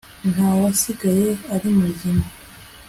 nta wasigaye ari muzima